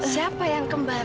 siapa yang kembar